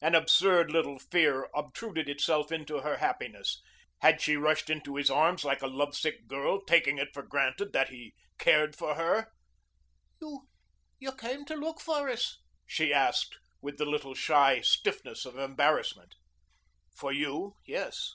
An absurd little fear obtruded itself into her happiness. Had she rushed into his arms like a lovesick girl, taking it for granted that he cared for her? "You came to look for us?" she asked, with the little shy stiffness of embarrassment. "For you yes."